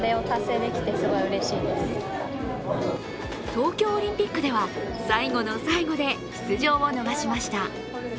東京オリンピックでは最後の最後で出場を逃しました。